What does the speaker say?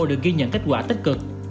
được ghi nhận kết quả tích cực